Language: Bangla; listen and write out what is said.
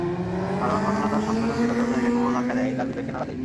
কারণ, ঘটনা তার সংবেদনশীলতার জায়গায় প্রবল ধাক্কা দেয়, তার বিবেককে নাড়া দেয়।